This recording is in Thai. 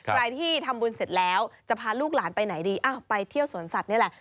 ใครที่ทำบุญเสร็จแล้วจะพาลูกหลานไปไหนดีอ้าวไปเที่ยวสวนสัตว์นี่แหละ